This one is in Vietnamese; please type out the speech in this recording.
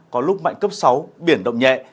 có lúc mạnh cấp sáu biển động nhẹ